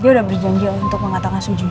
dia udah berjanji untuk mengatakan sujud